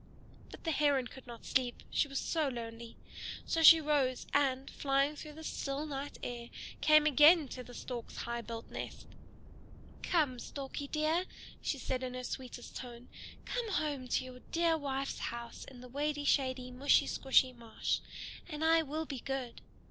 But the Heron could not sleep, she was so lonely. So she rose, and, flying through the still night air, came again to the Stork's high built nest. "Come, Storkie dear," she said in her sweetest tone, "come home to your dear wife's house in the wady shady, mushy squshy marsh, and I will be good."